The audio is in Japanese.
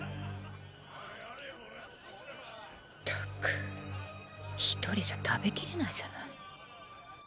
ったく一人じゃ食べきれないじゃない。